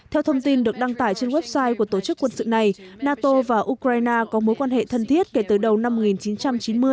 theo thông tin được đăng tải trên website của tổ chức quân sự này nato và ukraine có mối quan hệ thân thiết kể từ đầu năm một nghìn chín trăm chín mươi